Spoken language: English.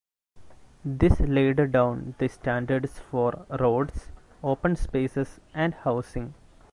This laid down the standards for roads, open spaces and housing.